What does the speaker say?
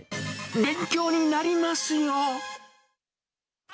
勉強になりますよ。